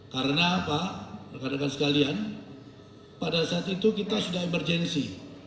karena apa rekan rekan sekalian pada saat itu kita sudah emergensi